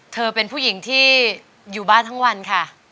เธอเป็นผู้หญิงที่อยู่บ้านทั้งวันค่ะ